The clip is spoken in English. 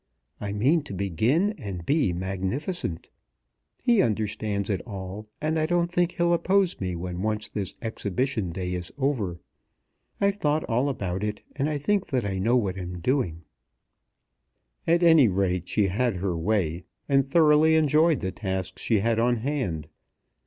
I mean to begin and be magnificent. He understands it all, and I don't think he'll oppose me when once this exhibition day is over. I've thought all about it, and I think that I know what I'm doing." At any rate, she had her way, and thoroughly enjoyed the task she had on hand.